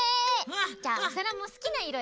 じゃおさらもすきないろ